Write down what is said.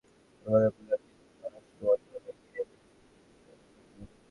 রাষ্ট্রদ্রোহিতার মামলা দায়েরের অনুমোদন প্রদানের ক্ষেত্রে স্বরাষ্ট্র মন্ত্রণালয়কে এদিকটি বিবেচনায় নিতে হবে।